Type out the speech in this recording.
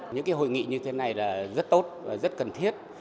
những hội nghị như thế này là rất tốt và rất cần thiết